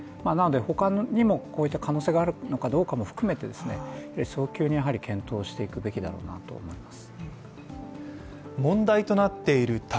他にもこういった可能性があるのかどうかも含めて早急に検討していくべきだろうなと思います。